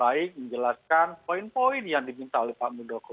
dan itu jelas baik menjelaskan poin poin yang diminta oleh pak muldoko